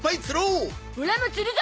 オラも釣るぞ！